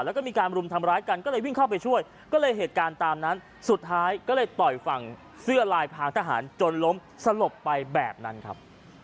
แล้วก็มีการรุมทำร้ายกันก็เลยวิ่งเข้าไปช่วยก็เลยเหตุการณ์ตามนั้นสุดท้ายก็เลยต่อยฝั่งเสื้อลายพางทหารจนล้มสลบไปแบบนั้นครับ